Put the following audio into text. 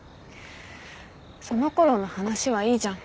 そのころの話はいいじゃん。